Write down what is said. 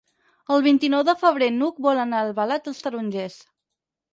El vint-i-nou de febrer n'Hug vol anar a Albalat dels Tarongers.